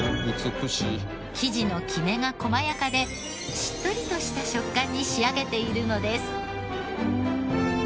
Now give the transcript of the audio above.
生地のきめが細やかでしっとりとした食感に仕上げているのです。